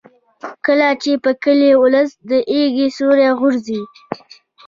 کله چې په کلي ولس د ایږې سیوری غورځي.